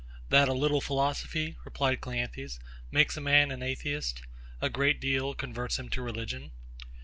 That a little philosophy, replied CLEANTHES, makes a man an Atheist: A great deal converts him to religion.